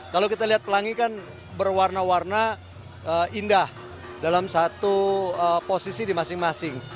kalau kita lihat pelangi kan berwarna warna indah dalam satu posisi di masing masing